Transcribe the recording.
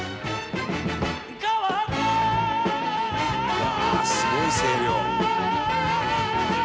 「うわすごい声量」